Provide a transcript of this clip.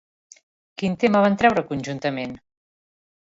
Quin tema van treure conjuntament?